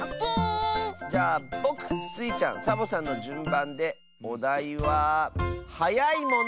じゃあぼくスイちゃんサボさんのじゅんばんでおだいは「はやいもの」！